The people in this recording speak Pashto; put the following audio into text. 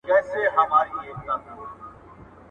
د ځمکې تر ټولو خوشحاله هېواد د خوښۍ په اړه خبرې کوي.